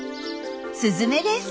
スズメです。